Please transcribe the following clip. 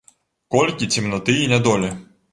Колькі цемнаты і нядолі!